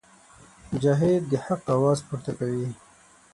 مجاهد د حق اواز پورته کوي.